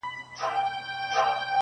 کيسه د عبرت بڼه اخلي تل-